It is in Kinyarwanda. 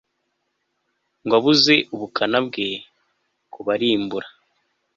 ngo abuze ubukana bwe kubarimbura